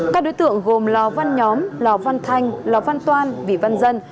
các đối tượng gồm lò văn nhóm lò văn thanh lò văn toan